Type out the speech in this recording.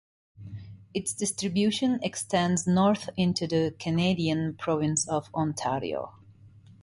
Its distribution extends north into the Canadian province of Ontario.